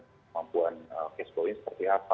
kemampuan kestolnya seperti apa